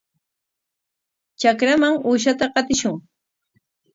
Trakraman uushata qatishun.